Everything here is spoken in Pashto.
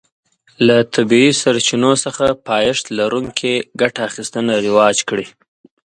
له طبیعي سرچینو څخه پایښت لرونکې ګټه اخیستنه رواج کړي.